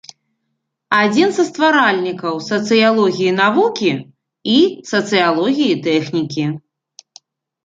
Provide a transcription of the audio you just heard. Адзін са стваральнікаў сацыялогіі навукі і сацыялогіі тэхнікі.